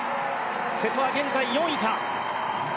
瀬戸は現在４位か。